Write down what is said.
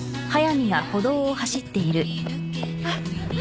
あっ。